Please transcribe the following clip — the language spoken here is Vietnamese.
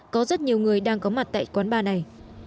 có rất nhiều người đang có mặt tại quán bar này